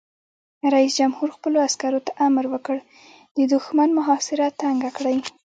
رئیس جمهور خپلو عسکرو ته امر وکړ؛ د دښمن محاصره تنګه کړئ!